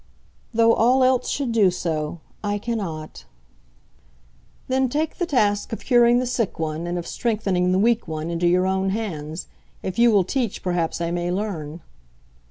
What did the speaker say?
"Though all else should do so, I cannot." "Then take the task of curing the sick one, and of strengthening the weak one, into your own hands. If you will teach, perhaps I may learn."